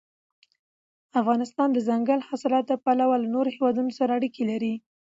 افغانستان د دځنګل حاصلات له پلوه له نورو هېوادونو سره اړیکې لري.